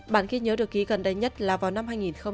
bản ghi nhớ được ghi gần đây nhất là vào năm hai nghìn một mươi sáu